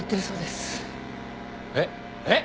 えっ？えっ！？